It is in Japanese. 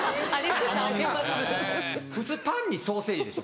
普通パンにソーセージでしょ。